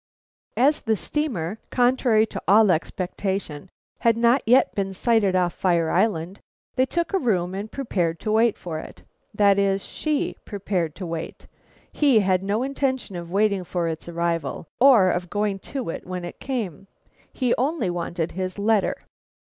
"As the steamer, contrary to all expectation, had not yet been sighted off Fire Island, they took a room and prepared to wait for it. That is, she prepared to wait. He had no intention of waiting for its arrival or of going to it when it came; he only wanted his letter.